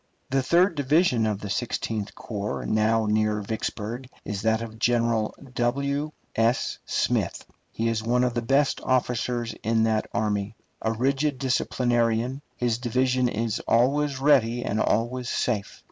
The third division of the Sixteenth Corps now near Vicksburg is that of General W. S. Smith. He is one of the best officers in that army. A rigid disciplinarian, his division is always ready and always safe.